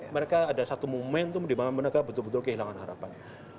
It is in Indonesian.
mereka ada satu momentum di mana mereka betul betul kehilangan harapan